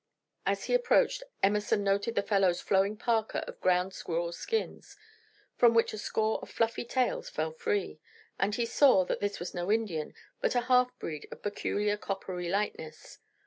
As he approached, Emerson noted the fellow's flowing parka of ground squirrel skins, from which a score of fluffy tails fell free, and he saw that this was no Indian, but a half breed of peculiar coppery lightness.